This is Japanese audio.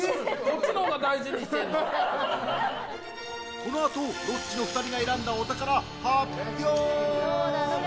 このあと、ロッチの２人が選んだお宝発表！